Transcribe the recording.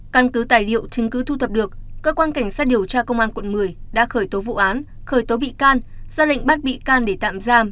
căn cứ tài liệu chứng cứ thu thập được cơ quan cảnh sát điều tra công an quận một mươi đã khởi tố vụ án khởi tố bị can ra lệnh bắt bị can để tạm giam